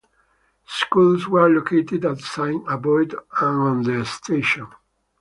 Schools were located at Saint Avold and on the station.